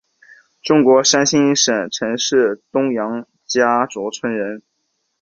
中国山西省运城市东杨家卓村人。